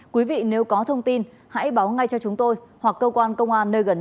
quý vị nếu có thông tin hãy báo ngay cho chúng tôi hoặc cơ quan công an nơi gần nhất